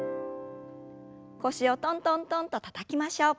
腰をトントントンとたたきましょう。